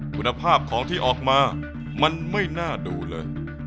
คุณภาพของที่ออกมามันไม่น่าดูเลย